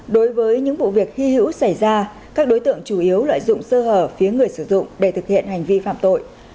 đối với những vụ việc hy hữu xảy ra các đối tượng chủ yếu lợi dụng sơ hở phía người sử dụng để thực hiện hành vi phạm tội